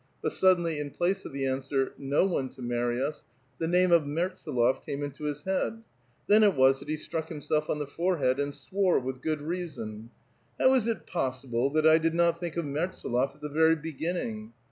But suddenly in place of the answer, '* No one to marry us," the name of Mertsdlof came into his head ; then it was that he struck himself on the forehead and swore with good reason. How is it possible that I did not think of Mertsdlof at the "Very beginning?"